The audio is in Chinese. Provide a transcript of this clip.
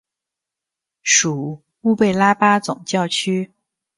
属乌贝拉巴总教区。